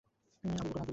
এটা আবু বকর আবদুল্লাহ!